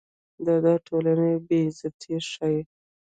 دا د ټولنې بې عزتي ښيي.